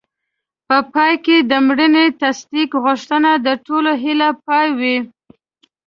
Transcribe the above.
په پای کې د مړینې تصدیق غوښتنه د ټولو هیلو پای و.